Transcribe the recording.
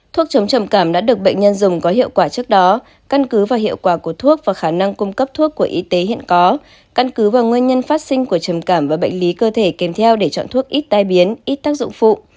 thuốc chống trầm cảm đã được bệnh nhân dùng có hiệu quả trước đó căn cứ và hiệu quả của thuốc và khả năng cung cấp thuốc của y tế hiện có căn cứ vào nguyên nhân phát sinh của trầm cảm và bệnh lý cơ thể kèm theo để chọn thuốc ít tai biến ít tác dụng phụ